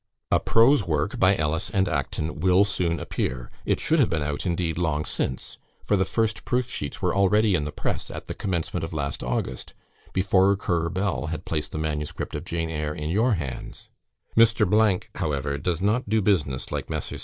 "A prose work, by Ellis and Acton, will soon appear: it should have been out, indeed, long since; for the first proof sheets were already in the press at the commencement of last August, before Currer Bell had placed the MS. of "Jane Eyre" in your hands. Mr. , however, does not do business like Messrs.